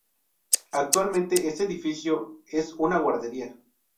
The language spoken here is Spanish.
Actualmente ese edificio es una guardería.